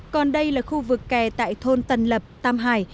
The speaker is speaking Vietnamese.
còn đây là khu vực kè tại thôn tần lập tam hải